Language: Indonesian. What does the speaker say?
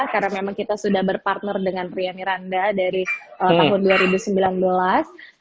karena memang kita sudah berpartner dengan ria miranda dari tahun dua ribu sembilan belas